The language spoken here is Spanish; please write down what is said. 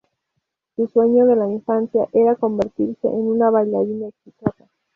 Su sueño de la infancia era convertirse en una bailarina exitosa.